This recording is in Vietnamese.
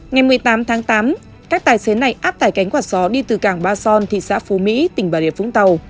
ngày một mươi tám tháng tám các tài xế này áp tải cánh quả sò đi từ cảng ba son thị xã phú mỹ tỉnh bà rịa vũng tàu